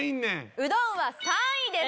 うどんは３位です。